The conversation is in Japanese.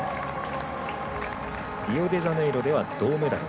リオデジャネイロでは銅メダル。